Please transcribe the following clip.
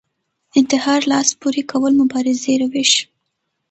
انتحار لاس پورې کول مبارزې روش